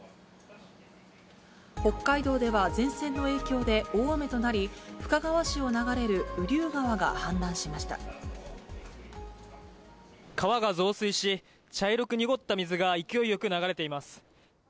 北海道では前線の影響で大雨となり、深川市を流れる雨竜川が氾濫川が増水し、茶色く濁った水が勢いよく流れています。